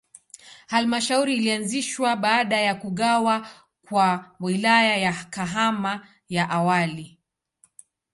Halmashauri ilianzishwa baada ya kugawa kwa Wilaya ya Kahama ya awali.